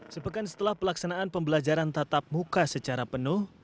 sepekan setelah pelaksanaan pembelajaran tatap muka secara penuh